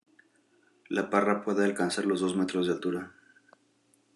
La parra puede alcanzar los dos metros de altura.